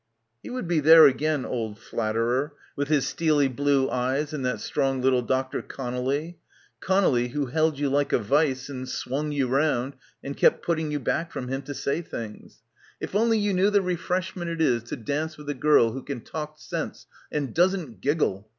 He would be there again, old flatterer, with his steely blue eyes and that strong little Dr. Conelly — Conelly who held you like a vice and swung you round and kept putting you back from him to say things. "If only — 152 — BACKWATER you knew the refreshment it is to dance with a girl who can talk sense and doesn't giggle.